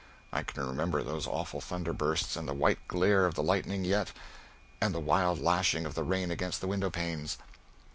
I can remember those awful thunder bursts and the white glare of the lightning yet, and the wild lashing of the rain against the window panes.